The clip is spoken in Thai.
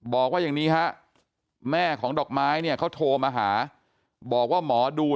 บอกว่าอย่างนี้ฮะแม่ของดอกไม้เนี่ยเขาโทรมาหาบอกว่าหมอดู